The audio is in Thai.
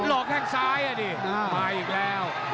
หลอกแค่งซ้ายอ่ะดิมาอีกแล้ว